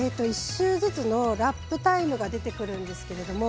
１周ずつのラップタイムが出てくるんですけど